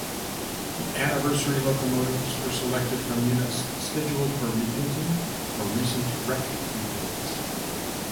The Anniversary locomotives were selected from units scheduled for repainting or recent wreck rebuilds.